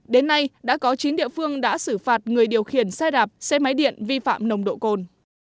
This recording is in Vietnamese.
đến nay đã có chín địa phương đã xử phạt người điều khiển xe đạp xe máy điện vi phạm nồng độ cồn